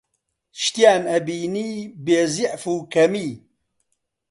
شتیان ئەبینی بێزیعف و کەمی